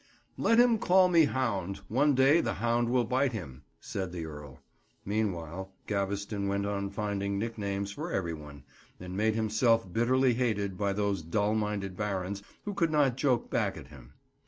"Let him call me hound: one day the hound will bite him," said the Earl. Meanwhile, Gaveston went on finding nicknames for every one, and made himself bitterly hated by those dull minded barons who could not joke back at him.